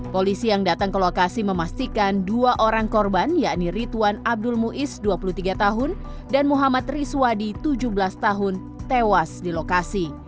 polisi yang datang ke lokasi memastikan dua orang korban yakni rituan abdul muiz dua puluh tiga tahun dan muhammad riswadi tujuh belas tahun tewas di lokasi